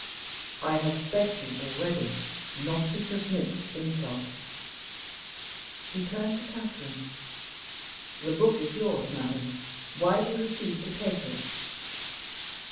"I have begged you already not to submit to insult." He turned to Catherine. "The book is yours, madam. Why do you refuse to take it?"